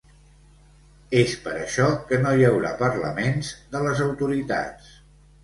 És per això que no hi haurà parlaments de les autoritats.